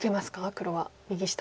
黒は右下。